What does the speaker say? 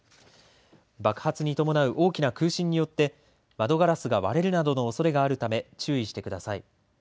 爆発に伴う大きな空振によって窓ガラスが割れるなどのおそれがあるため、注意してください。